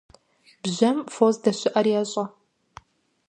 Бжьэм фо здэщыIэр ещIэ.